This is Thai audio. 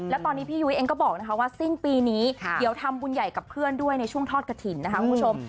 แล้วตอนนี้พี่ยุ้ยเองก็บอกนะคะว่าสิ้นปีนี้เดี๋ยวทำบุญใหญ่กับเพื่อนด้วยในช่วงทอดกระถิ่นนะคะคุณผู้ชม